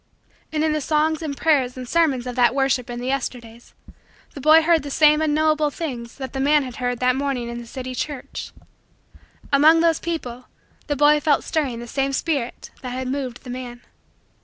And in the songs and prayers and sermons of that worship in the Yesterdays, the boy heard the same unknowable things that the man had heard that morning in the city church. Among those people, the boy felt stirring the same spirit that had moved the man.